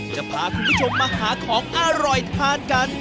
จะพาคุณผู้ชมมาหาของอร่อยทานกัน